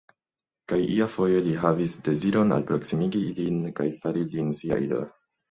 Kaj iafoje li havis deziron alproksimigi lin kaj fari lin sia ilo.